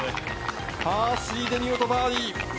パー３で見事バーディー。